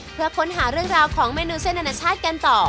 เพื่อค้นหาเรื่องราวของเมนูเส้นอนาชาติกันต่อ